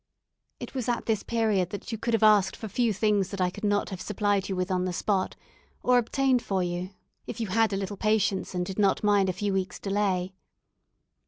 It was at this period that you could have asked for few things that I could not have supplied you with on the spot, or obtained for you, if you had a little patience and did not mind a few weeks' delay.